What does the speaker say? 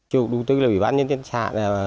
chủ đầu tư là ủy ban nhân dân xã